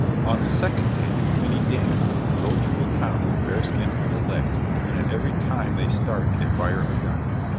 On the second day the committee dance, go through the town with bear skin on their legs, and at every time they start they fire a gun.